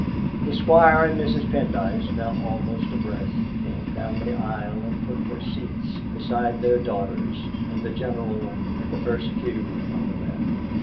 The Squire and Mrs. Pendyce, now almost abreast, came down the aisle and took their seats beside their daughters and the General in the first pew on the left.